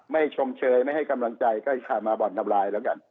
ไม่ชมเชยไม่ให้กำลังใจก็จะมาบอดนำรายแล้วกัน